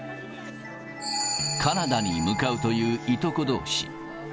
カナダに向かうという、いとこどうし。